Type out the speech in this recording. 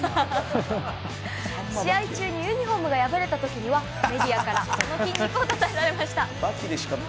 試合中にユニホームが破れた時にはメディアからその筋肉をたたえられました。